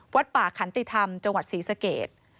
วัดป่าขันติธรรมจังหวัดศรีสเกต